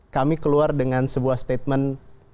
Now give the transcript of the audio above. kami keluar dengan sebuah statement